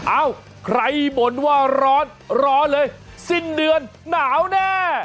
เอ้าใครบ่นว่าร้อนร้อนเลยสิ้นเดือนหนาวแน่